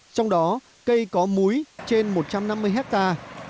trong đó cây có múi trên một trăm năm mươi hectare